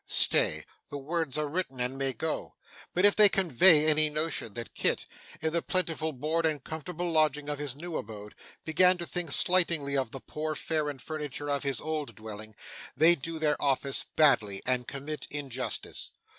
Stay the words are written, and may go, but if they convey any notion that Kit, in the plentiful board and comfortable lodging of his new abode, began to think slightingly of the poor fare and furniture of his old dwelling, they do their office badly and commit injustice.